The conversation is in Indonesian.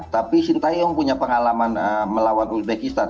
tapi shin taeyong punya pengalaman melawan uzbekistan